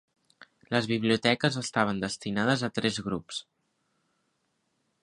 Les biblioteques estaven destinades a tres grups.